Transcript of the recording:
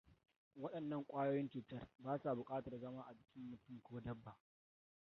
Wadannan kwayoyin cutar basa bukatar zama a jikin mutum ko dabba.